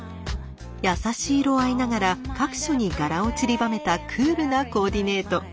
やさしい色合いながら各所に柄をちりばめたクールなコーディネート。